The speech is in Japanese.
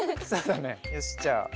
よしじゃあ。